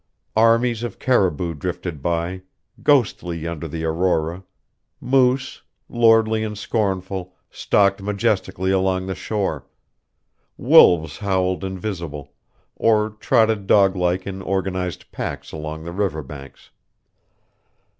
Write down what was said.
Armies of caribou drifted by, ghostly under the aurora, moose, lordly and scornful, stalked majestically along the shore; wolves howled invisible, or trotted dog like in organized packs along the river banks.